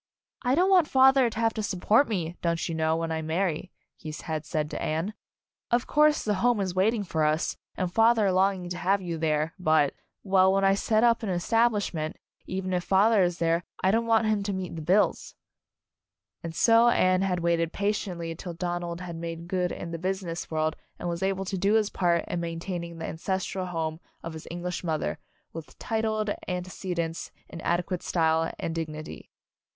"I don't want father to have to support me, don't you know, when I marry," he had said to Anne. "Of course the home is waiting for us, and father longing to have you there, but well, when I set up an establishment, even if father is there, I don't want him to meet the bills." Anne's Wedding And so Anne had waited patiently till Donald had made good in the business world and was able to do his part in maintaining the ancestral home of his English mother, with titled antecedents, in adequate style and dignity.